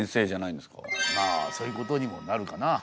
まあそういうことにもなるかな。